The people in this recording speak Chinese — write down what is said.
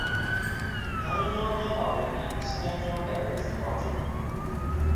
唐玄宗天宝元年新安州改为苏茂郡。